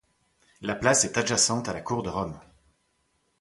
La place est adjacente à la cour de Rome.